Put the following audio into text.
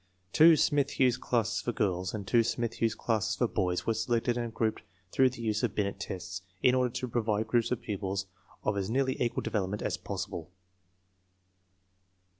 Two Smith Hughes classes for girls and two Smith Hughes classes for boys were selected and grouped through the use of Binet tests, in order to provide groups of pupils of as nearly equal development as possible.